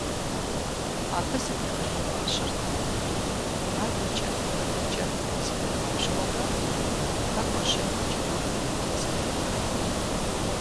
Абы зыкъигъэлъэгъуащэртэкъым – адэкӀэ-мыдэкӀэ зыкъуигъапщкӀуэурэ пэкӀур щекӀуэкӀынур къызэхикӀухьырт.